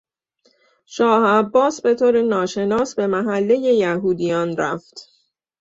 شاه عباس به طور ناشناس به محلهی یهودیان رفت.